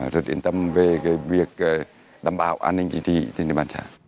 rất yên tâm về việc đảm bảo an ninh chính trị trên địa bàn xã